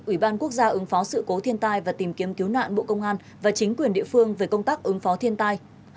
ủy ban quốc gia ứng phó sự cố thiên tai và tìm kiếm cứu nạn bộ công an và chính quyền địa phương về công tác ứng phó thiên tai